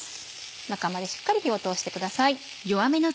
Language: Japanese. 中までしっかり火を通してください。